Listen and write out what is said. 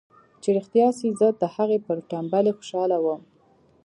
چې رښتيا سي زه د هغه پر ټمبلۍ خوشاله وم.